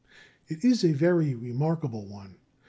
It is a very remarkable one.